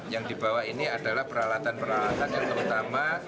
yang dibawa ini adalah peralatan peralatan yang terutama